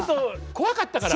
怖かったから。